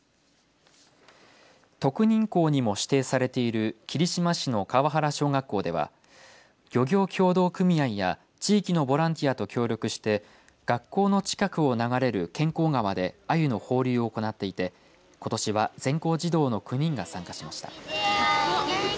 特認校にも指定されている霧島市の川原小学校では漁業協同組合や地域のボランティアと協力して学校の近くを流れる検校川であゆの放流を行っていてことしは全校児童の９人が参加しました。